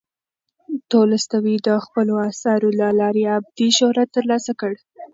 تولستوی د خپلو اثارو له لارې ابدي شهرت ترلاسه کړ.